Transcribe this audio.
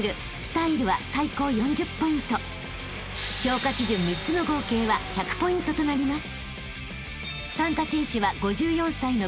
［評価基準３つの合計は１００ポイントとなります］